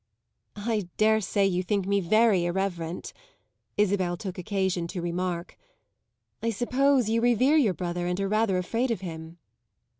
"I dare say you think me very irreverent," Isabel took occasion to remark. "I suppose you revere your brother and are rather afraid of him."